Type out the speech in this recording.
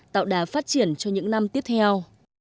tạo đà phát triển cho những năm tiếp theo